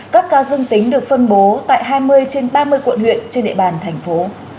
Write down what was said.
các ca dương tính được phân bố tại hai mươi trên ba mươi quận huyện trên địa bàn thành phố